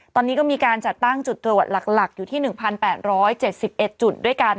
ตอนนี้ก็มีการจัดตั้งจุดตรวจหลักหลักอยู่ที่หนึ่งพันแปดร้อยเจ็ดสิบเอ็ดจุดด้วยกัน